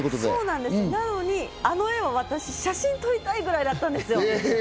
なのに、あの画は私、写真撮りたいくらいだったんですよ。